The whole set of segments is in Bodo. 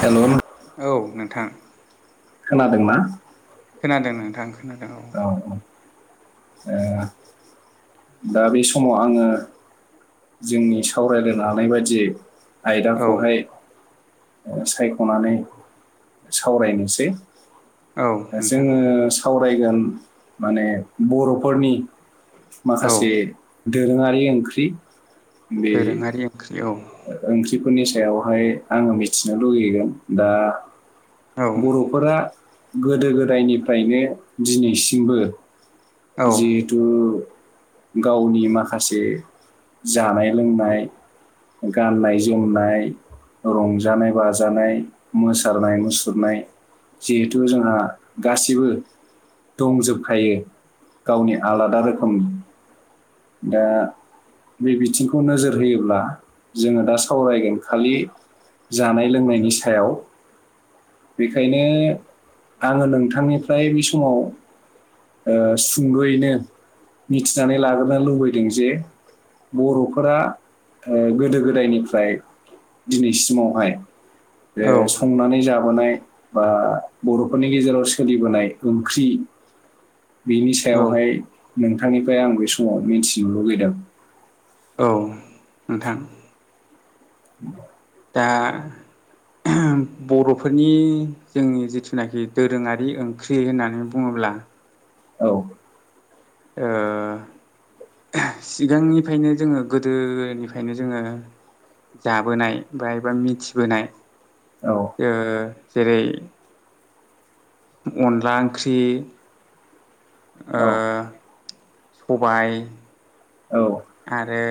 हेलौ। औ नोंथां। खोनादोंना? खोनादों नोंथां खोनादों औ। ओह दा बे समाव आङो जोंनि सावरायलायनो हानाय बायदियै औ आयदाखौहाय। सायख'नानै सावरायनोसै औ नोंथां जोङो सावरायगोन माने बर'फोरनि माखासे औ दोरोङारि ओंख्रि बे दोरोङारि ओंख्रि औ ओंख्रिफोरनि स सायावहाय आङो मिथिनो लुुबैगोन दा औ बर'फोरा गोदो गोदायनिफ्रायनो दिनैसिमबो औ जिहेथु गावनि माखासे जानाय लोंनाय गाननाय जोमनाय रंजानाय बाजानाय मोसानाय मुसुरनाय जिहेथु जोंहा गासिबो दंजोबखायो गावनि आलादा रोखोम ओ बे बिथिंखौ नोजोर होयोब्ला जोङो दा सावरायगोन खालि जानाय लोंनायनि सायाव बेखायनो आङो नोंथांनिफ्राय बि समाव ओ सुंद'यैनो मिथिनानै लाग्रोनो लुबैदों जे बर'फोरा ओ गोदो गोदायनिफ्राय दिनैसिमावहाय बे औ संनानै जाब। नाय बा बर'फोरनि गेजेराव सोलिबोनाय ओंख्रि। बिनि औ सायावहाय नोंथांनिफ्राय आं बै समाव मिथिनो लुगैदों। औ नोंथां। [unintelligible] ओ बर'फोरनि जोंनि जिथुनाखि दोरोङारि ओंख्रि होननानै बुङोब्ला बा औ ओ सिगांनिफ्रायनो जोङो गोदोनिफ्रायनो जोङो जाबोनाय बा एबा मिथिबोनाय औ ओ जेरै अनला ओंख्रि ओ औ सबाय औ आरो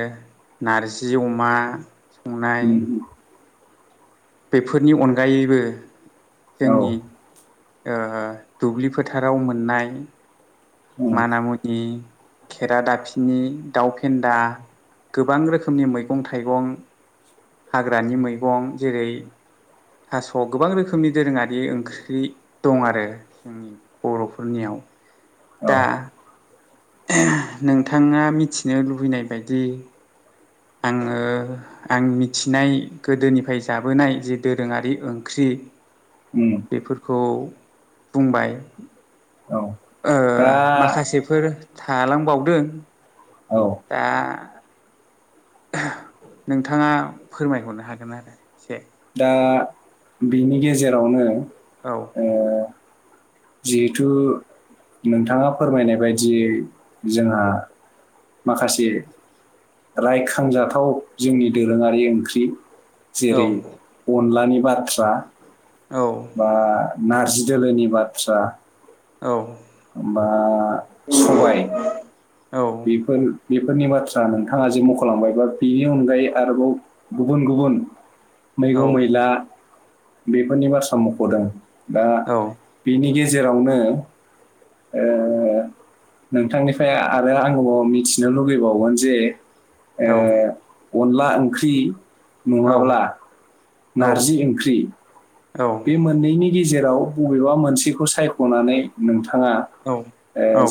नारजि अमा संनाय उम बेफोरनि अनगायैबो औ जोंनि ओ दुब्लि फोथाराव मोननाय उम माना मुनि खेरा दाफिनि दाउ फेन्दा गोबां रोखोमनि मैगं थाइगं हाग्रानि मैगं जेरै थास गोबां रोखोमनि दोरोङारि ओंख्रि दं आरो जोंनि बरफोरनियाव [inaudible] दा नोंथाङा मिथिनो लुबैनाय बायदि आङो आं मिथिनाय गोदोनिफ्राय जाबोनाय जे दोरोङारि ओंख्रि उम बेफोरखौ बुंबाय औ ओ दा माखासेफोर थालांबावदों औ दा [inaudible] नोंथाङा फोरमायहरनो हागोन आरो एसे दा बिनि गेजेरावनो औ जिहेथु नोंथाङा फोरमायनाय बायदियै जोंहा माखासे रायखांजाथाव जोंनि दोरोङारि ओंख्रि औ जेरै अनलानि बाथ्रा औ बा नारजि दोलोनि बाथ्रा औ होनबा सबाय औ बेफोर बेफोरनि बाथ्रा नोंथाङा जे मखलांबाय बा बेनि अनगायै आरोबाव गुबुन गुबुन औ मैगं मैला बेफोरनि बाथ्रा मखदों दा औ बेनि गेजेरावनो ओ नोंथांनिफ्राय आरो आं मिथिनो लुगैबावगोन जे औ अनला ओंख्रि नङाब्ला नारजि ओंख्रि बे मोननैनि नि गेजेराव बबेबा मोनसेखौ सायखनानै नोंथां बिथाङा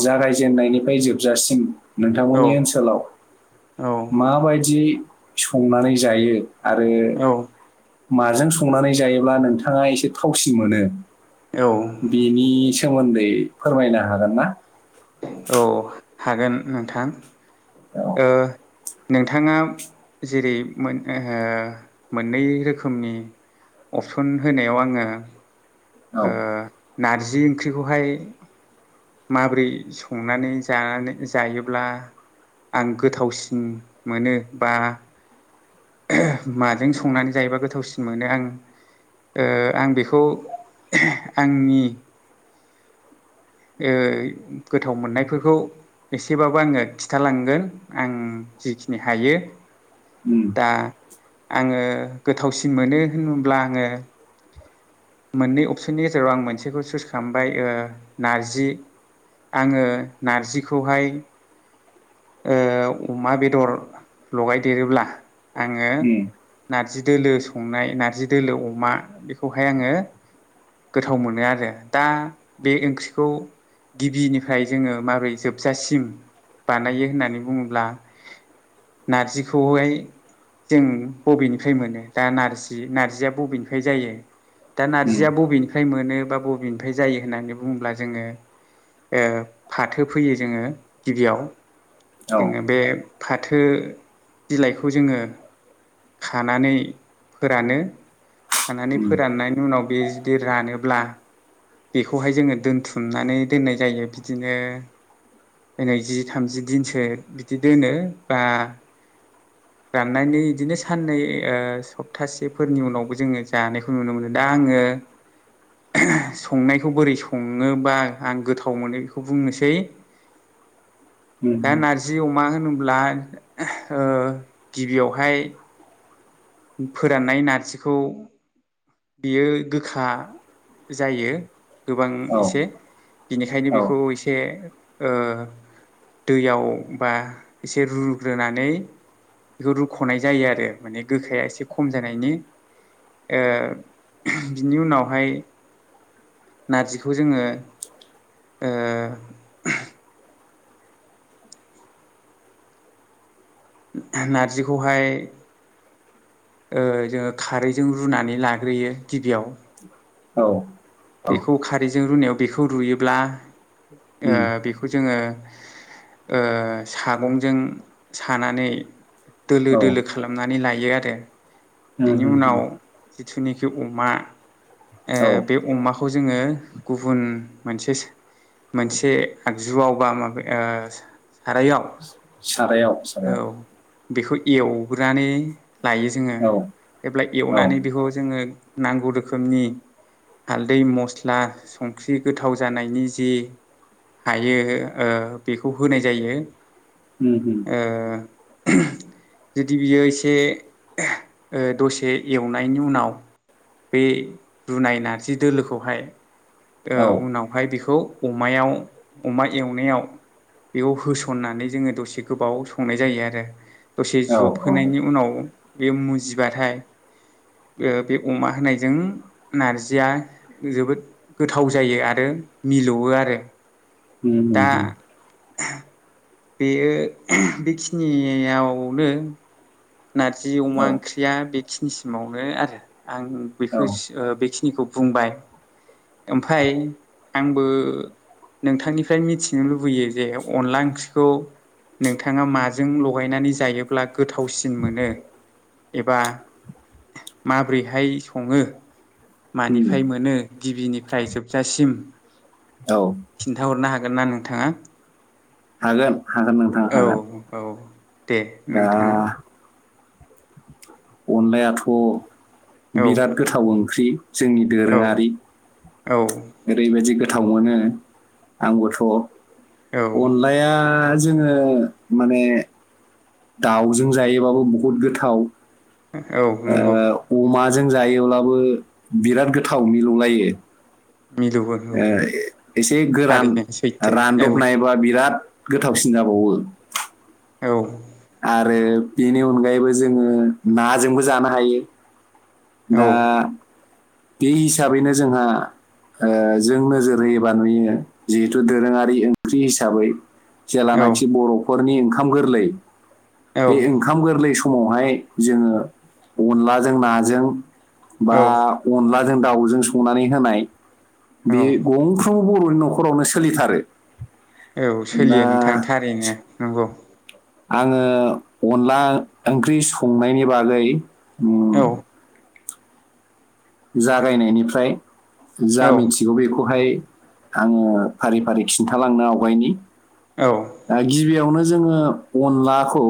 जागायजेननायनिफ्राय जोबजासिम नोंथांमोननि ओनसोलाव माबायदि संनानै जायो आरो औ माजों संनानै जायोब्ला नोंथाङा एसे थावसिन मोनो औ बेनि सोमोन्दै फोरमायनो हागोन ना औ हागोन नोंथां औ नोंथाङा जेरै मोननै रोखोमनि अपसन होनायाव आङो औ नारजि ओंख्रिखौहाय माबोरै संनानै जानानै जायोब्ला आं गोथावसिन मोनो बा माजों संनानै जायोबा गोथावसिन मोनो आं ओ आं बेखौ आंनि ओ गोथाव मोननायफोरखौ एसेबाबो आङो खिथालांगोन आं जिखिनि हायो उम दा आङो गोथावसिन मोनो होनोब्ला आङो मोननै अपसननि गेजेराव आं मोनसेखौ चुस खालामबाय ओ नारजि आङो नारजिखौहाय ओ अमा बेदर लगायदेरोब्ला आङो उम नार जि दोलो संनाय नारजि दोलो अमा बेखौहाय आङो गोथाव मोनो आरो दा बे ओंख्रिखौ गिबिनिफ्राय जोङो माबोरै जोबजासिम बानायो होननानै बुङोब्ला नारजिखौहाय जों बबेनिफ्राय मोनो दा नारजि नार्जिया बबेनिफ्राय जायो दा उम नार्जिया बबेनिफ्राय मोनो बा बबेनिफ्राय जायो होननानै बुङोब्ला जोङो ओ फाथो फैयो जोङो गिबियाव औ जोङो बे फाथो बिलाइखौ जोङो खानानै फोरानो खानानै उम फोराननायनि उनाव बे जुदि रानोब्ला बेखौहाय जोङो दोनथुमनानै दोननाय जायो बिदिनो ओइनै जि थामजि दिनसो बिदि दोनो बा [inaudible] राननानै इदिनो साननै ओ सप्तासेफोरनि उनावबो जोङो जानायखौ नुनो मोनो दा आङो [unintelligible] संनायखौ बोरै सङोबा आं गोथाव मोनो बेखौ बुंनोसै दा उम नारजि अमा होनो ब्ला ओ गिबियावहाय फोराननाय नारजिखौ बियो गोखा जायो गोबां औ एसे बिनिखायनो औ बिखौ एसे ओ दैयाव बा एसे रुग्रोनानै बेखौ रुख'नाय जायो आरो माने गोखाया एसे खम जानायनि ओ बिनि उनावहाय नारजिखौ जोङो ओ नारजिखौहाय ओ जोङो खारैजों रुनानै लाग्रोयो गिबियाव औ बेखौ खारैजों रुनायाव बेखौ रुयोब्ला ओ उम बेखौ जोङो ओ सागंजों सानानै दोलो औ दोलो खालामनानै लायो आरो उम बिनि उम उनाव उम जिथु जिनिखि अमा ओ औ बे अमाखौ खौ जोङो गुबुन मोनसे मोनसे आगजुआव बा माबे ओ सारायाव सारायाव औ सारायाव बेखौ एवग्रोनानै लायो जोङो औ एब्ला औ एवनानै बेखौ जोङो नांगौ रोखोमनि हाल दै मस्ला संख्रि गोथाव जानायनि जि हायो ओ बेखौ होनाय जायो होम होम ओ [inaudible] जुदि बियो एसे ओ दसे एवनायनि उनाव बे रुनाय नारजि दोलोखौहाय ओ औ उनावहाय बेखौ खौ अमायाव अमा एवनायाव बेयाव होसननानै जोङो दसे गोबाव संनाय जायो आरो दसे जब औ होनायनि उनाव बे मुजिबाथाय बे अमा होनायजों नारजिया जोबोद गोथाव जायो आरो मिलौवो आरो उम उम दा उम बेयो बेखिनियावनो नारजि अमा औ ओंख्रिया बेखिनिसिमावनो आरो आं बेखौ औ बेखिनिखौ बुंबाय ओमफ्राय आंबो नोंथांनिफ्राय मिथिनो लुबैयो जे अनला ओंख्रिखौ नोंथाङा माजों लगायनानै जायोब्ला गोथावसिन जों मोनो एबा माबोरैहाय सङो उम मानिफ्राय मोनो गिबिनिफ्राय जोबजासिम औ खिन्थाहरनो हागोन हागोन ना नोंथाङा? हागोन हागोन नोंथां औ हागोन औ दे दा नोंथाङा अनलायाथ औ बिराद गोथाव ओंख्रि जोंनि औ दोरोङारि औ ओरैबायदि गोथाव मोनो आंबोथ औ अनलाया जोङो माने दावजों जायोबाबो बुहुद गोथाव औ नंगौ जों जायोब्लाबो बिराद गोथाव मिलौलायो मिलौवो औ एसे गोरान थारैनो सैथो रानदबनायबा बिराद गोथाव सिन जाबावो औ आरो बेनि अनगायैबो जोङो नाजोंबो जानो हायो औ दा बे हिसाबैनो जोंहा जों नोजोर होयोबा नुयो जिहेथु दोरोङारि ओंख्रि हिसाबै जेेलानाखि बर'फोरनि ओंखाम गोरलै बे ओंखाम गोरलै समावहाय जोङो अनलाजों नाजों बा औ अनला जों दाउजों संनानै होनाय औ बे गंफ्रोमबो बर'नि न'खरावनो सोलिथारो औ दा सोलियो नोंथां थारैनो नंगौ आङो अनला ओंख्रि संनायनि बागै उम, औ जागायनायनिफ्राय जा औ मिथिगौ बेखौ खौहाय आङो फारि फारि खिन्थालांनो आवगायनि औ दा गिबियावनो जोङो अनलाखौ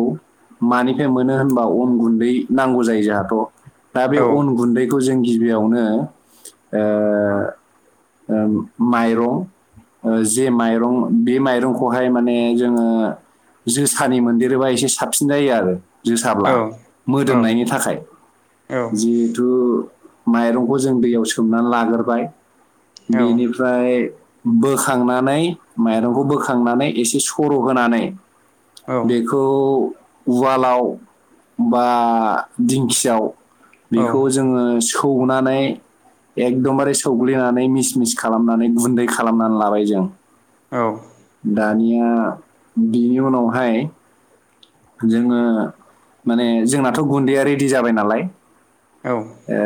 मानिफ्राय मोनो होनबा अन गुन्दै नांगौ जायो जोंहाथ दा बे औ अन गुन्दैखौ जों गि बियावनो माइरं जे माइरं बे माइरंखौहाय माने जोङो जोसानि मोनदेरोबा एसे साबसिन जायो आरो जोसाब्ला औ औ मोदोमनायनि थाखाय औ जिहेथु माइरंखौ जों दैयाव सोमनानै लाग्रोबाय औ बेनिफ्राय बोखांनानै माइरंखौ बोखांनानै एसे सर होनानै औ नानै बेखौ उवालाव बा दिंखियाव बेखौ जोङो सौनानै एकदमबारे सौग्लिनानै मिस मिस खालामनानै गुन्दै खालामनानै लाबाय जों औ दानिया बिनि उनावहाय जोङो माने जोंनाथ' गुन्दैया रेडि जाबाय नालाय औ ओ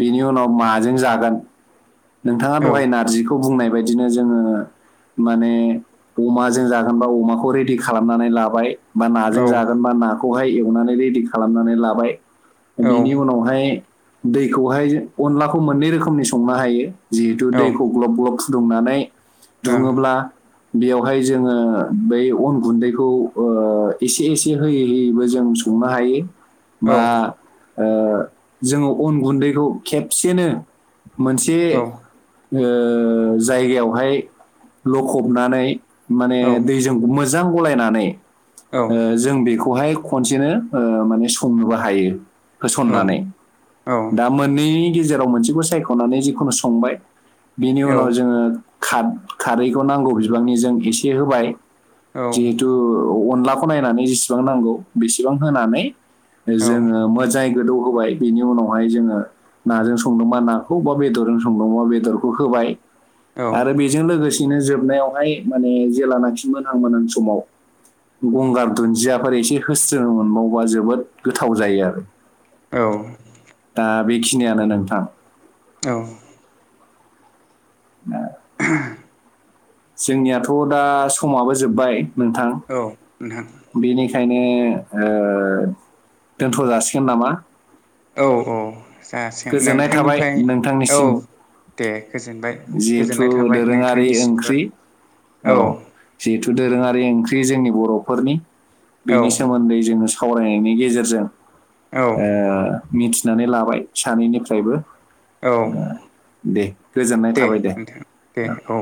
बिनि उनाव माजों जागोन? नोंथाङा दहाय नारजिखौ बुंनाय बायदिनो जोङो माने अमाजों जागोनबा अमाखौ रेडि खालामनानै लाबाय बा नाजों जागोनबा नाखौ खौहाय एवनानै रेडि खालामनानै लाबाय बिनि उनावहाय दैखौहाय अनलाखौ मोननै रोखोमनि संनो हायो जिहेतु औ दैखौ ग्लब ग्लब फुदुंनानै दुङोब्ला बेयावहाय जोङो बै अन गुन्दैखौ एसे एसे होयै होयैबो जों संनो हायो। बा ओ जोङो अन गुन्दैखौ खेबसेनो मोनसे औ जायगायावहाय लखबनानै माने ओं दैजों मोजां गलायनानै औ औ ओ जों बेखौ खौहाय खनसेनो ओ माने संनोबो हायो होसननानै दा मोननैनि गेजेराव मोनसेखौ सायख'नानै जिखुनु संबाय बिनि उनाव जोङो खारैखौ नांगौ बिबांनि जों एसे होबाय औ औ जिहेथु अनलाखौ नायनानै जेसेबां नांगौ बेसेबां होनानै जोङो औ मोजाङै गोदौ होबाय बेनि उनावहाय जोङो नाजों संदोंबा नाखौ बा बेदरजों संदोंबा बेदरखौ होबाय औ आरो बेजों लोगोसेनो जोबनायावहाय माने जेलानाखि मोनहां मोनहां समाव गंगार दुन्दियाफोर एसे होस्रोनो मोनबावबा जोबोद गोथाव जायो आरो। औ दा बेखिनियानो नोंथां औ [unintelligible] जोंनियाथ' दा समाबो जोबबाय नोंथां [unintelligible] बेखायनो ओ दोनथ' जासिगोन नामा? औ औ जासिगोन गोजोननाय थाबाय नोंथांनिफ्राय औ नोंथांनिसिम दे गोजोनबाय जिहेथु गोजोननाय थाबाय दोरोङारि नोंथांनिसिमबो। ओंख्रि औ जिहेथु दोरोङारि ओंख्रि जोंनि बर'फोरनि औ बेनि सोमोन्दै जोङो सावरायनायनि गेजेरजों औ ओ मिथिनानै लाबाय सानैनिफ्रायबो औ दे गोजोननाय थाबाय दे। नोंथां दे औ